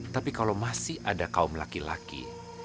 tapi kalau masih ada kaum laki laki